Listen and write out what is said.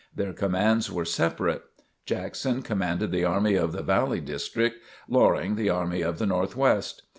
Their commands were separate. Jackson commanded the Army of the Valley District; Loring the Army of the North West.